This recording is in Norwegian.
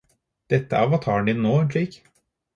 Dette er avataren din nå, Jake